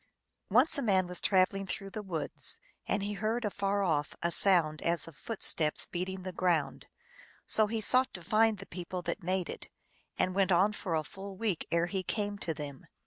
Once a man was traveling through the woods, and he heard afar off a sound as of footsteps beating the ground. So he sought to find the people that made it, and went on for a full week ere he came to them.